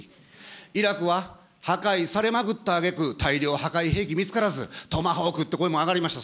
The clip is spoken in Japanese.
イラクは破壊されまくったあげく、大量破壊兵器見つからず、トマホークって声も上がりました、